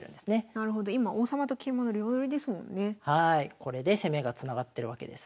これで攻めがつながってるわけです。